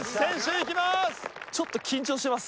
ちょっと緊張してます。